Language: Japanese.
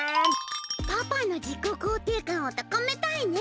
パパの自己肯定感をたかめたいね。